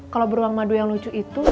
kalau beruang madu yang lucu itu